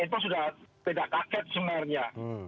itu sudah tidak kaget sebenarnya